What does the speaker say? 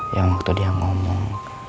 yang waktu dia ngomong